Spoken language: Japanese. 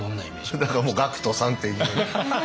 だからもうＧＡＣＫＴさんっていう。